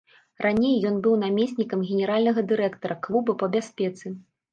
Раней ён быў намеснікам генеральнага дырэктара клуба па бяспецы.